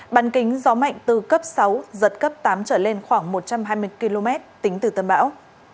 bàn kính gió mạnh từ cấp sáu giật cấp tám trở lên khoảng một trăm hai mươi km tính từ tâm bão